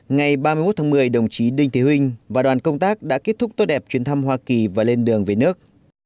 ngày ba mươi một tháng một mươi đồng chí đinh thế huynh và đoàn công tác đã kết thúc tốt đẹp chuyến thăm hoa kỳ và lên đường về nước